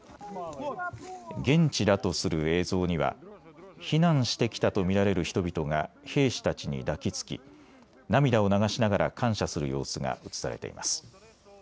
現地だとする映像には避難してきたと見られる人々が兵士たちに抱きつき涙を流しながら感謝する様子が写されています。